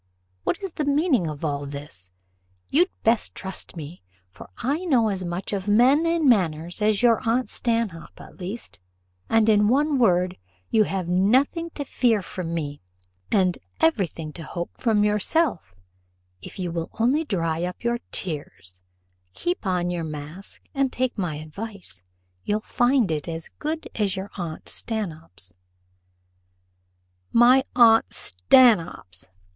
What is the meaning of all this? You'd best trust me for I know as much of men and manners as your aunt Stanhope at least; and in one word, you have nothing to fear from me, and every thing to hope from yourself, if you will only dry up your tears, keep on your mask, and take my advice; you'll find it as good as your aunt Stanhope's." "My aunt Stanhope's!